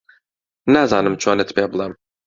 نازانم چۆنت پێ بڵێم